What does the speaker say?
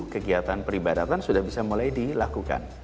kegiatan peribadatan sudah bisa mulai dilakukan